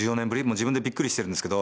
自分でびっくりしてるんですけど。